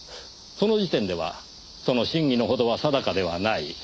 その時点ではその真偽のほどは定かではない。